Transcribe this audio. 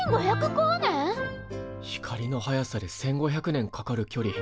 光の速さで１，５００年かかる距離。